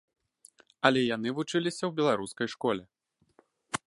Але яны вучыліся ў беларускай школе.